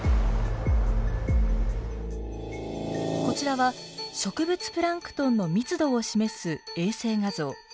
こちらは植物プランクトンの密度を示す衛星画像。